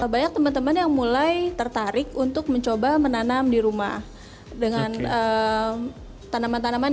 banyak teman teman yang mulai tertarik untuk mencoba menanam di rumah dengan tanaman tanaman